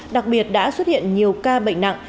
đặc biệt đã xuất hiện nhiều ca bệnh nặng